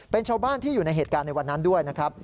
เป็นชาวบ้านที่อยู่ในเหตุการณ์ในวันนั้นด้วยนะครับ